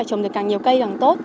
để trồng được càng nhiều cây càng tốt